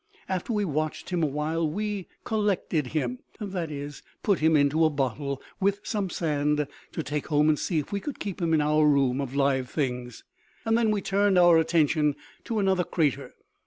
After we watched him a while, we "collected" him; that is, put him into a bottle, with some sand, to take home and see if we could keep him in our room of live things. Then we turned our attention to another crater.